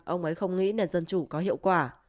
ông ấy không nghĩ nền dân chủ có hiệu quả